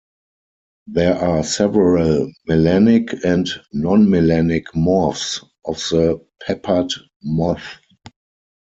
There are several melanic and non-melanic morphs of the peppered moth.